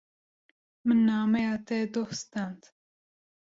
Min nameya te doh stend.